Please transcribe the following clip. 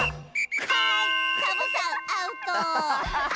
はいサボさんアウト！